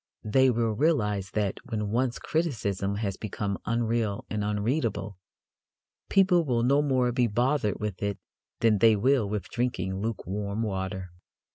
They will realize that, when once criticism has become unreal and unreadable, people will no more be bothered with it than they will with drinking lukewarm water.